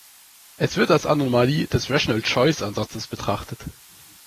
Es wird als Anomalie des Rational-Choice-Ansatzes betrachtet.